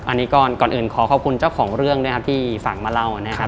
อันนี้ก่อนอื่นขอขอบคุณเจ้าของเรื่องนะครับที่ฝากมาเล่านะครับ